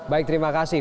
baik terima kasih